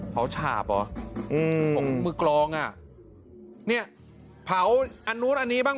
เพราห์ฉาปหรอมือกรองอ่ะเนี่ยเผาอันนู้นอันนี้บ้าง